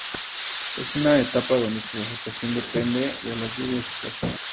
Es una estepa donde su vegetación depende de las lluvias estacionales.